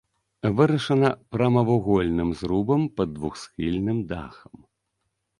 Вырашана прамавугольным зрубам пад двухсхільным дахам.